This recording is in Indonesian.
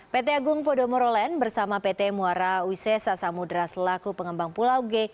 pt agung podomoro len bersama pt muara ui sesa samudera selaku pengembang pulau g